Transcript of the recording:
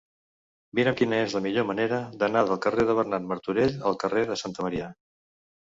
Mira'm quina és la millor manera d'anar del carrer de Bernat Martorell al carrer de Sant Marià.